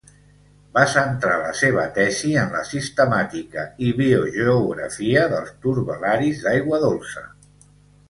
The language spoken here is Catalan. Va centrar la seva tesi en la sistemàtica i biogeografia dels turbel·laris d'aigua dolça.